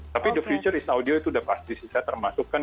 tapi the future is audio itu udah pasti sih saya termasuk kan